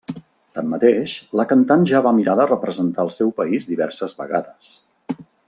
Tanmateix, la cantant ja va mirar de representar el seu país diverses vegades.